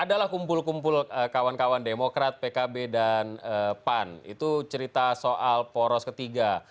adalah kumpul kumpul kawan kawan demokrat pkb dan pan itu cerita soal poros ketiga